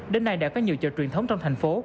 đến nay đã có nhiều chợ truyền thống trong thành phố